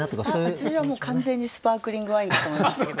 私はもう完全にスパークリングワインだと思いましたけど。